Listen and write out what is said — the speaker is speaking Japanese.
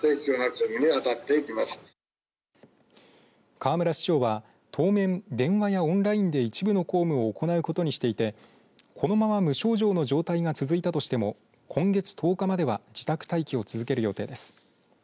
河村市長は当面、電話やオンラインで一部の公務を行うことにしていてこのまま無症状の状態が続いたとしても今月１０日までは自宅待機を続ける予定です。